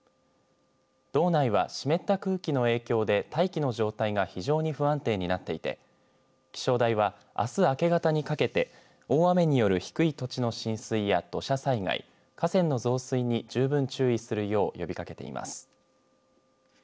道内は湿った空気の影響で大気の状態が非常に不安定になっていて気象台は、あす明け方にかけて大雨による低い土地の浸水や土砂災害河川の増水に十分注意するよう呼びかけています。